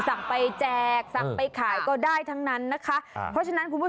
สั่งไปแจกสั่งไปขายก็ได้ทั้งนั้นนะคะเพราะฉะนั้นคุณผู้ชม